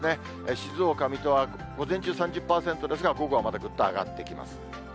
静岡、水戸は午前中３０％ですが、午後はまたぐっと上がってきます。